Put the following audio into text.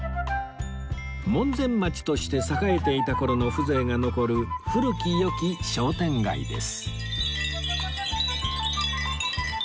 門前町として栄えていた頃の風情が残る古き良き商店街です